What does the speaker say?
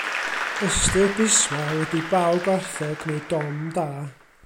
Ystyr biswail ydy baw gwartheg, neu dom da.